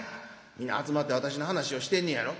皆集まって私の話をしてんねやろ？」。